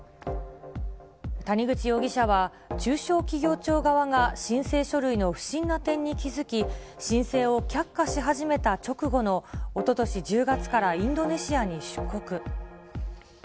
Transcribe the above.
谷口容疑者は、中小企業庁側が申請書類の不審な点に気付き、申請を却下し始めた直後のおととし１０月からインドネシアに出国。